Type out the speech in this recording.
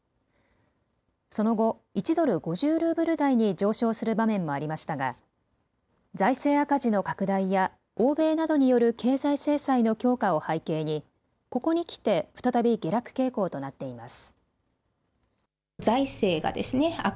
その後、１ドル５０ルーブル台に上昇する場面もありましたが財政赤字の拡大や欧米などによる経済制裁の強化を背景にここにきて再び下落傾向となっています。